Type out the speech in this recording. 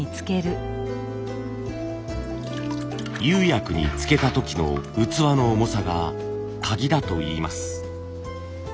釉薬につけた時の器の重さが鍵だといいます。